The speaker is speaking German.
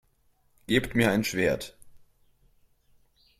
Gebt mir ein Schwert!